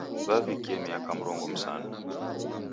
Wavikie miaka mrongo msanu.